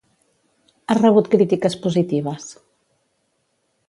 Ha rebut crítiques positives.